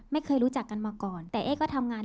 ไม่เคยรู้จักกันมาก่อนแต่เอ๊ก็ทำงาน